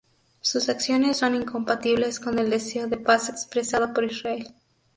Sus acciones son incompatibles con el deseo de paz expresado por Israel.